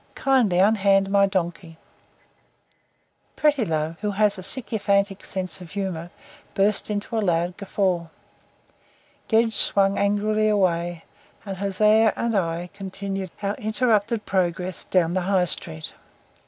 Kindly unhand my donkey." Prettilove, who has a sycophantic sense of humour, burst into a loud guffaw. Gedge swung angrily away, and Hosea and I continued our interrupted progress down the High Street.